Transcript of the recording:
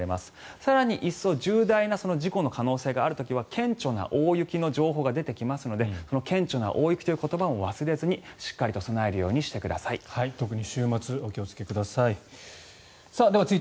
更にいっそ重大な事故の可能性がある時は顕著な大雪の情報が出てきますのでその顕著な大雪という言葉も忘れずにしっかりと備えるようにしてください。